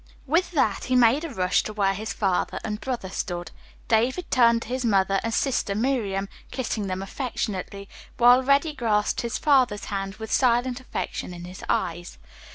With that he made a rush to where his father and brother stood. David turned to his mother and sister Miriam, kissing them affectionately, while Reddy grasped his father's hand with silent affection in his eyes.